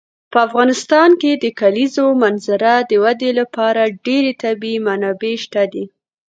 په افغانستان کې د کلیزو منظره د ودې لپاره ډېرې طبیعي منابع شته دي.